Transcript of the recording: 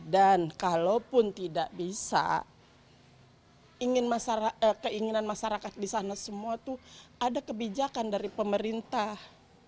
dan kalau pun tidak bisa keinginan masyarakat di sana semua itu ada kebijakan dari pemerintah